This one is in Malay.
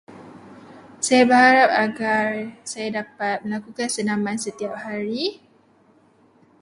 Saya berharap agar saya dapat melakukan senaman setiap hari.